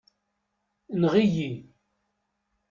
Enɣ-iyi.